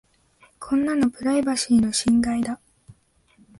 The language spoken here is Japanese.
こんなのプライバシーの侵害だ。